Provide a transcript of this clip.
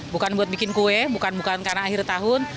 bukan buat bikin kue bukan bukan karena akhir tahun